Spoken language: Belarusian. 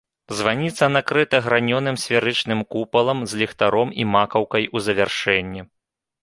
Званіца накрыта гранёным сферычным купалам з ліхтаром і макаўкай у завяршэнні.